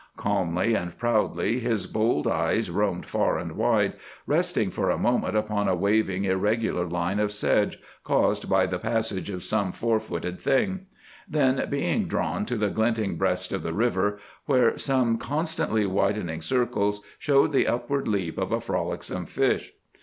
Calmly and proudly his bold eyes roamed far and wide, resting for a moment upon a waving, irregular line of sedge, caused by the passage of some four footed thing; then being drawn to the glinting breast of the river, where some constantly widening circles showed the upward leap of a frolicsome fish.